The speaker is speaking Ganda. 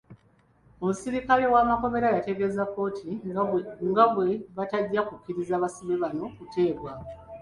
Omusirikale w’amakomera yategeeza kkooti nga bwe batajja kukkiriza basibe bano kuteebwa.